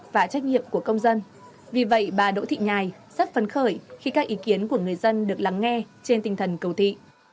và tạo điều kiện cho chúng tôi được tham gia góp ý